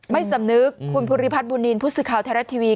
ไม่สำนึกคุณภูริพัฒน์บุนนีนพุศศิคาวแทรศทีวี